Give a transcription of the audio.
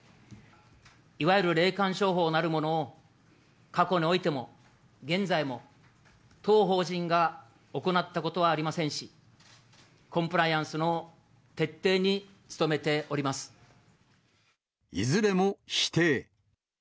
いわゆる霊感商法なるものを、過去においても、現在も、当法人が行ったことはありませんし、コンプライアンスの徹底に努いずれも否定。